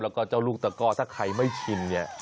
แล้วก็เจ้าลูกตะก้อถ้าใครไม่ชินเนี่ย